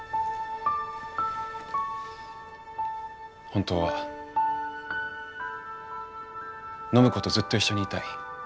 本当は暢子とずっと一緒にいたい。